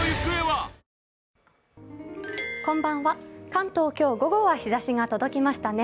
関東、今日午後は日ざしが届きましたね。